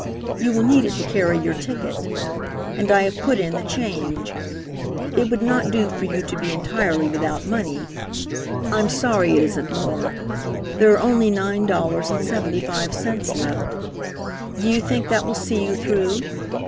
You will need it to carry your ticket. And I have put in the change. It would not do for you to be entirely without money. I'm sorry it isn't more. There are only nine dollars and seventy five cents left. Do you think that will see you through?